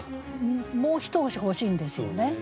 もう一押し欲しいんですよね。